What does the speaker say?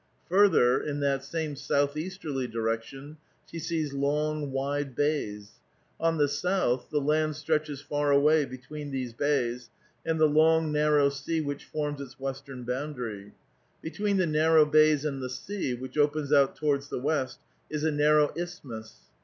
Farther, in that same southeasterly direction, she sees long, wide bays ; on the south the land stretches far awav between these bays, and the long, narrow sea which forms its western boundary. Between the narrow bays and the sea, which opens out towards the west is a narrow isthmus.